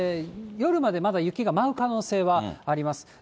夜までまだ雪が舞う可能性はあります。